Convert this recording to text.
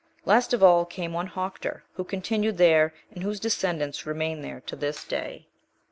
Last of all came one Hoctor,(1) who continued there, and whose descendants remain there to this day.